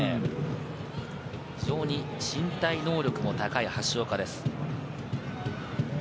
非常に身体能力も高い橋岡です。